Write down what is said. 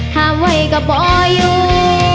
พาไว้กะบ่อยู่